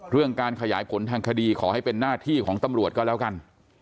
เรื่องการขยายผลทางคดีขอให้เป็นหน้าที่ของตำรวจก็แล้วกัน